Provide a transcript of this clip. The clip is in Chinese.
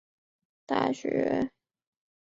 纽黑文大学位于此地。